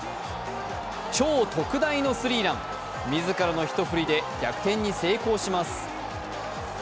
超特大のスリーラン自らの１振りで逆転に成功します。